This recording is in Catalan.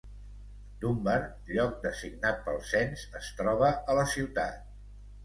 Dunbar, lloc designat pel cens, es troba a la ciutat.